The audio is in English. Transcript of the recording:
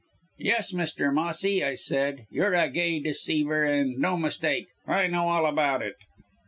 'Yes, Mr. Mossy,' I said, 'you're a gay deceiver and no mistake! I know all about it!'